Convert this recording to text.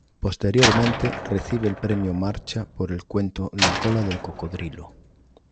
Posteriormente recibe el Premio Marcha por el cuento "La cola del cocodrilo".